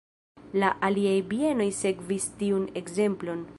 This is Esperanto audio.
La aliaj bienoj sekvis tiun ekzemplon.